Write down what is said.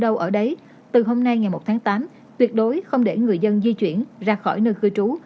nơi này từ hôm nay ngày một tháng tám tuyệt đối không để người dân di chuyển ra khỏi nơi khơi trú